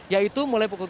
yaitu mulai perpandang